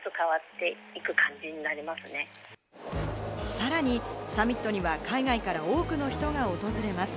さらにサミットには海外から多くの人が訪れます。